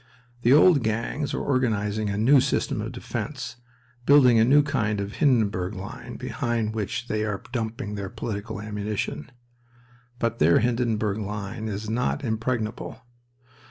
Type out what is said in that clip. The old gangs are organizing a new system of defense, building a new kind of Hindenburg line behind which they are dumping their political ammunition. But their Hindenburg line is not impregnable.